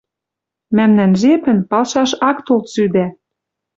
Мӓмнӓн жепӹн палшаш ак тол цӱдӓ.